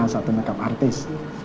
satu makeup artis